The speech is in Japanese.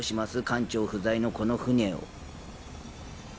艦長不在のこの船を。